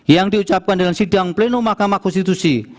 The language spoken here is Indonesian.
yang diucapkan dalam sidang pleno mahkamah konstitusi